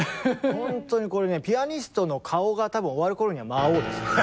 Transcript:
ほんとにこれねぇピアニストの顔が多分終わる頃には「魔王」ですね。